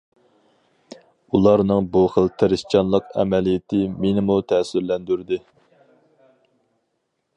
ئۇلارنىڭ بۇ خىل تىرىشچانلىق ئەمەلىيىتى مېنىمۇ تەسىرلەندۈردى.